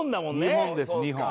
２本です２本。